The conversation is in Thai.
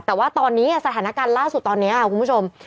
แต่ว่าตอนนี้สถานการณ์ล่าสุดตอนนี้ค่ะคุณผู้ชม